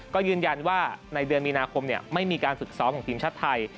ก็ยืนยันว่าในเดือนมีนาคมไม่มีการฝึกซ้อมของทีมชาติไทย